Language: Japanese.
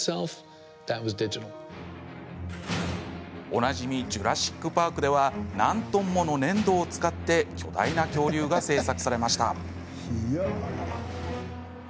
おなじみ「ジュラシック・パーク」では何トンもの粘土を使って巨大な恐竜が制作されました。